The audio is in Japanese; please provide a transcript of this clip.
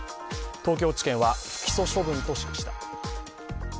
東京地検は不起訴処分としました。